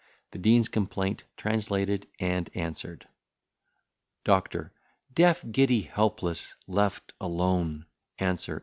THE DEAN'S COMPLAINT, TRANSLATED AND ANSWERED DOCTOR. Deaf, giddy, helpless, left alone. ANSWER.